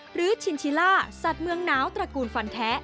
ชินชิล่าสัตว์เมืองหนาวตระกูลฟันแท้